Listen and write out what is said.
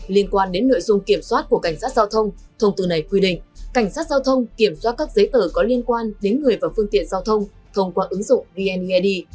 liên quan đến nội dung kiểm soát của cảnh sát giao thông thông tư này quy định cảnh sát giao thông kiểm soát các giấy tờ có liên quan đến người và phương tiện giao thông thông qua ứng dụng vneid